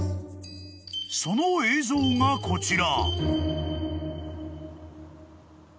［その映像がこちら］